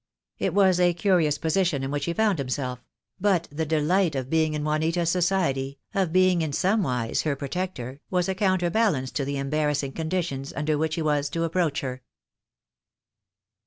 It was a curious position in which he found himself; but the delight of being in Juanita's society, of being in somewise her protector, was a counterbalance to the embarrassing conditions under which he was to approach her.